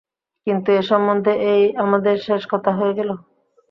কিন্তু এ সম্বন্ধে এই আমাদের শেষ কথা হয়ে গেল।